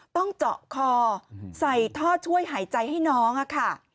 ต้องเจาะคอใส่ท่อช่วยหายใจให้น้องค่ะ